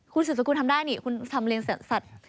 คุณสุดสกุลทำได้นี่คุณทำเลี้ยสัตว์